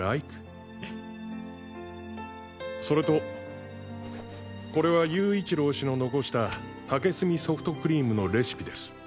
Ａｓｙｏｕｌｉｋｅ．それとこれは勇一郎氏の残した竹炭ソフトクリームのレシピです。